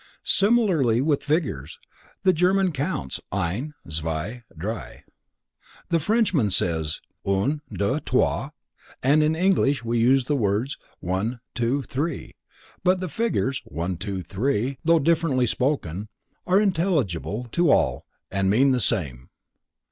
Similarly with figures, the German counts: ein, zwei, drei; the Frenchman says: un, deux, trois, and in English we use the words: one, two, three, but the figures: 1, 2, 3, though differently spoken, are intelligible to all and mean the same.